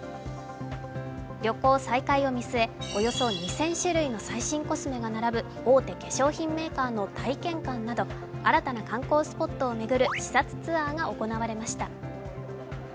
旅行再開を見据え、およそ２０００種類の最新コスメが並ぶ大手化粧品メーカーの体験館など新たな体験スポットを巡る視察ツアーが行われました。